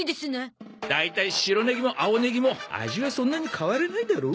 大体白ネギも青ネギも味はそんなに変わらないだろ？